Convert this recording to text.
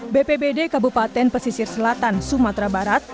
bpbd kabupaten pesisir selatan sumatera barat